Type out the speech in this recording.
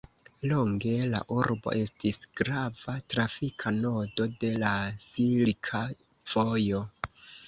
Longe la urbo estis grava trafika nodo de la Silka Vojo.